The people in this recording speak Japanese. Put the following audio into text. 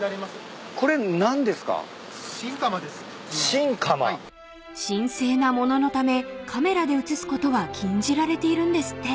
［神聖な物のためカメラで写すことは禁じられているんですって］